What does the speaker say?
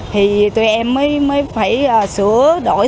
thì tụi em mới phải sửa đổi